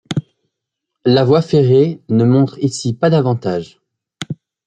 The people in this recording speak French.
La voie ferrée ne montre ici pas d'avantage.